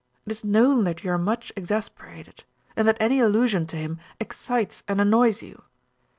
It is known that you are much exasperated, and that any allusion to him excites and annoys you.